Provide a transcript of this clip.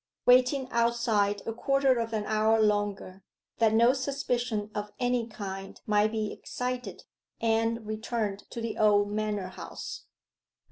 Waiting outside a quarter of an hour longer, that no suspicion of any kind might be excited, Anne returned to the old manor house.